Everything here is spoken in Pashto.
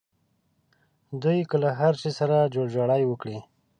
دوی که له هر شي سره جوړجاړی وکړي.